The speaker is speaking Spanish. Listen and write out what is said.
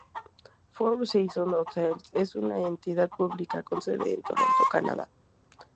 Four Seasons Hotels es una entidad pública con sede en Toronto, Canadá.